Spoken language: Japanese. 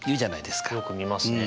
よく見ますね。